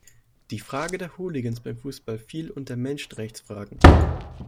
Die Frage der Hooligans beim Fußball fiel unter Menschenrechtsfragen.